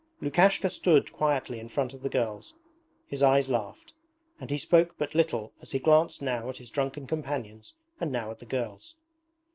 Lukashka stood quietly in front of the girls, his eyes laughed, and he spoke but little as he glanced now at his drunken companions and now at the girls.